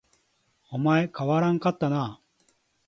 お前変わらんかったな